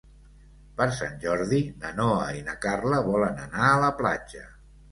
Per Sant Jordi na Noa i na Carla volen anar a la platja.